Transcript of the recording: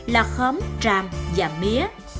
là khóm tràm và mía